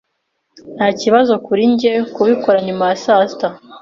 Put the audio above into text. Nta kibazo kuri njye kubikora nyuma ya saa sita.